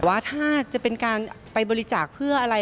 ว่าถ้าจะเป็นการไปบริจาคเพื่ออะไร